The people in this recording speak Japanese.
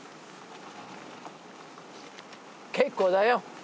結構だよ。